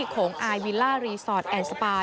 โขงอายวิลล่ารีสอร์ทแอนสปา